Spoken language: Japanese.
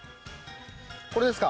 これですか？